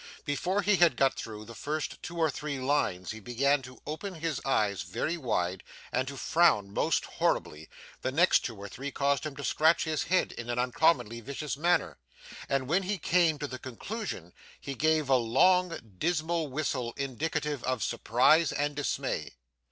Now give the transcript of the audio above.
Before he had got through the first two or three lines he began to open his eyes very wide and to frown most horribly, the next two or three caused him to scratch his head in an uncommonly vicious manner, and when he came to the conclusion he gave a long dismal whistle indicative of surprise and dismay.